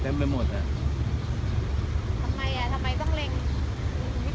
เต็มไปหมดละทำไมต้องเล่น